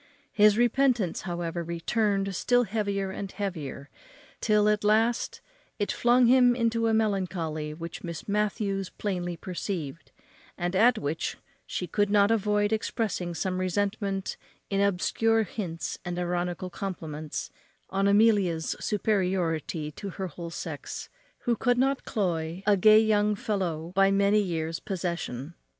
His repentance, however, returned still heavier and heavier, till, at last, it flung him into a melancholy, which Miss Matthews plainly perceived, and at which she could not avoid expressing some resentment in obscure hints and ironical compliments on Amelia's superiority to her whole sex, who could not cloy a gay young fellow by many years' possession.